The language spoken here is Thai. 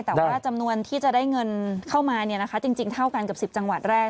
แต่ว่าจำนวนที่จะได้เงินเข้ามาจริงเท่ากันกับ๑๐จังหวัดแรก